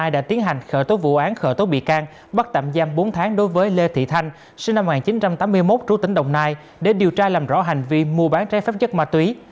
sinh năm một nghìn chín trăm tám mươi một trú tỉnh đồng nai để điều tra làm rõ hành vi mua bán trái phép chất ma túy